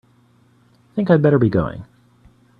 Think I'd better be going.